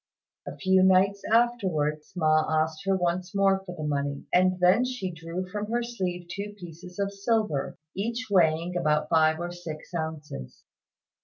A few nights afterwards Ma asked her once more for the money, and then she drew from her sleeve two pieces of silver, each weighing about five or six ounces.